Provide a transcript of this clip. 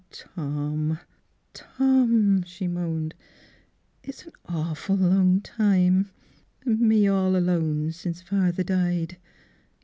" Oh, Tom — Tom !" she moaned. " It's an awful long time, — an' me all alone since father died."